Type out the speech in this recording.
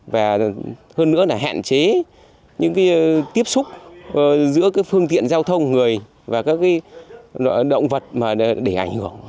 và hơn nữa là hạn chế những tiếp xúc giữa phương tiện giao thông người và các động vật mà để ảnh hưởng